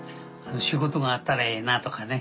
仕事があったらええなとかね。